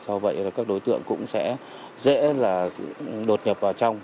do vậy là các đối tượng cũng sẽ dễ là đột nhập vào trong